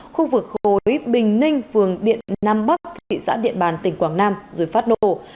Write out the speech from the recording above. khu vực khối bình ninh phường điện nam bắc thị xã điện bàn tỉnh quảng nam rồi phát nổ